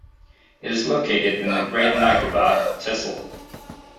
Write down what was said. It is located in the Great Nicobar tehsil.